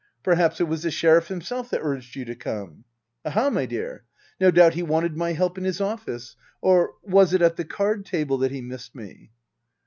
Perhaps it was the Sheriff himself that urged you to come ? Aha, my dear — no doubt he wanted my help in his office ! Or was it at the card table that he missed me?